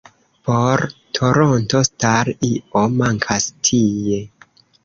Por "Toronto Star", ""Io mankas tie.